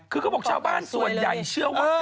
คือเขาบอกชาวบ้านส่วนใหญ่เชื่อว่า